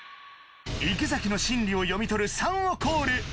池崎の心理を読み取る３をコール。